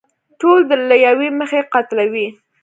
ټول له يوې مخې قتلوي.